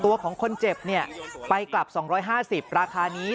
ตัวของคนเจ็บไปกลับ๒๕๐ราคานี้